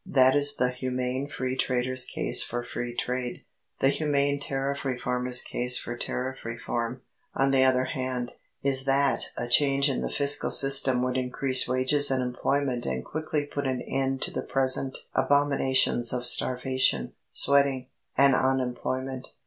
That is the humane Free Trader's case for Free Trade. The humane Tariff Reformer's case for Tariff Reform, on the other hand, is that a change in the fiscal system would increase wages and employment and quickly put an end to the present abominations of starvation, sweating, and unemployment.